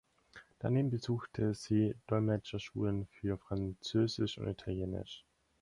Daneben besuchte sie Dolmetscher-Schulen für Französisch und Italienisch.